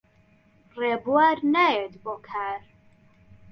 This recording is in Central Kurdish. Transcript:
ڕێبوار نایەت بۆ کار.